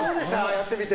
やってみて。